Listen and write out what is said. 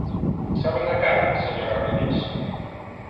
¿Saben a cal, señora Rodís?